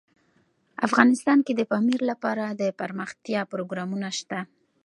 افغانستان کې د پامیر لپاره دپرمختیا پروګرامونه شته.